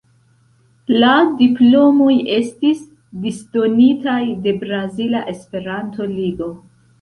La diplomoj estis disdonitaj de Brazila Esperanto-Ligo.